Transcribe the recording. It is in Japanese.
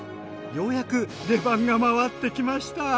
ようやく出番が回ってきました。